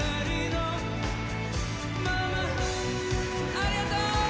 ありがとう。